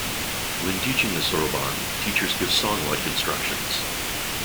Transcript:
When teaching the soroban, teachers give song-like instructions.